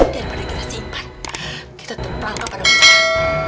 daripada kita singkat kita tetap rangkap pada bujang